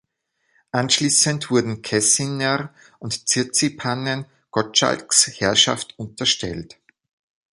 Anschließend wurden Kessiner und Zirzipanen Gottschalks Herrschaft unterstellt.